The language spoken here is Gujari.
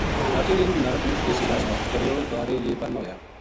باقیاں نے اِنھ بیماراں کو مُچ دیسی علاج شلاج کریو با یہ بَل نہ ہویا